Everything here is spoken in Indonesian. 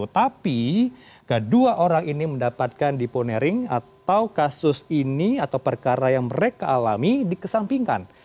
tapi kedua orang ini mendapatkan deponering atau kasus ini atau perkara yang mereka alami dikesampingkan